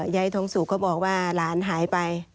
ยายทองสุกเขาบอกว่าหลานหายไป